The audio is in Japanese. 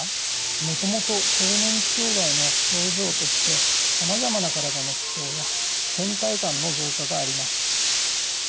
もともと更年期障害の症状としてさまざまな体の不調やけん怠感の増加があります。